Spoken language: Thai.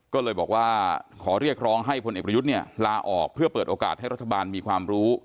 ก็เลยบอกว่าขอเรียกร้องให้พลเอกประยุทธ์เนี่ยลาออกเพื่อเปิดโอกาสให้รัฐบาลมีความรู้